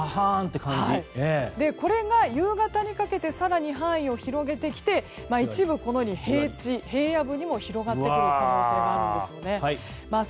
これが夕方にかけて更に範囲を広げてきて一部このように平地、平野部にも広がってくる可能性があるんです。